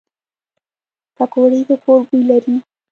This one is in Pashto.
پکورې د کور بوی لري